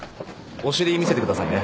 お尻見せてくださいね。